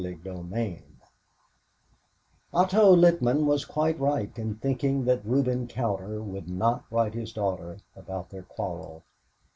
CHAPTER V Otto Littman was quite right in thinking that Reuben Cowder would not write his daughter about their quarrel.